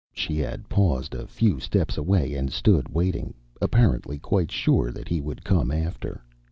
She had paused a few steps away and stood waiting, apparently quite sure that he would come after.